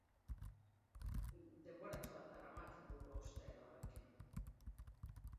Denboratxo bat daramat buruhauste horrekin.